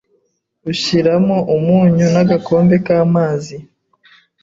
Ushyiramo umunyu n’agakombe k’amazi,